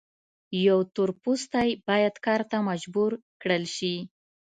یو تور پوستی باید کار ته مجبور کړل شي.